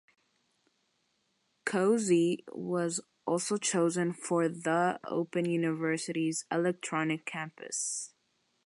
CoSy was also chosen for The Open University's "electronic campus".